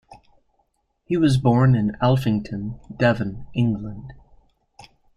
He was born in Alphington, Devon, England.